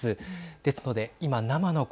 ですので今生の声